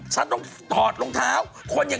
ฉันต้องตอดลงเท้า